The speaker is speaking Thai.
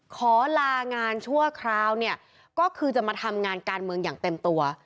ขอลางานชั่วคราวเนี่ยก็คือจะมาทำงานการเมืองอย่างเต็มตัว